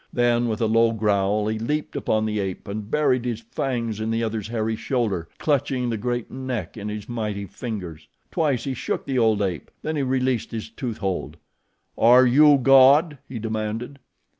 Then, with a low growl he leaped upon the ape and buried his fangs in the other's hairy shoulder, clutching the great neck in his mighty fingers. Twice he shook the old ape, then he released his tooth hold. "Are you God?" he demanded.